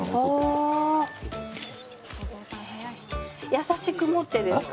優しく持ってですか？